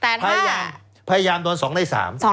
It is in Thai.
แล้วเขาก็ใช้วิธีการเหมือนกับในการ์ตูน